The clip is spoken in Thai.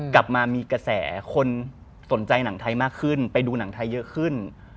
กลับมามีกระแสคนสนใจหนังไทยมากขึ้นไปดูหนังไทยเยอะขึ้น